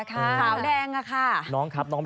ขาวแดงค่ะ